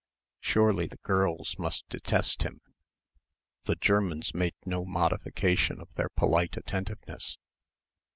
Surely the girls must detest him.... The Germans made no modification of their polite attentiveness.